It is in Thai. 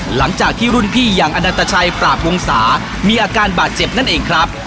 หลังจากที่รุ่นพี่อย่างอนันตชัยปราบวงศามีอาการบาดเจ็บนั่นเองครับ